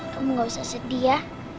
kamu gak usah sedih ya